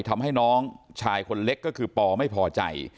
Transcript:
ทำให้น้องชายคนเล็กก็คือปอไม่พอใจ